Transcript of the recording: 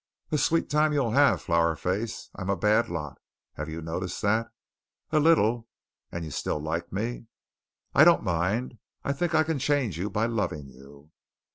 "A sweet time you'll have, Flower Face! I'm a bad lot. Have you noticed that?" "A little." "And you still like me?" "I don't mind. I think I can change you by loving you."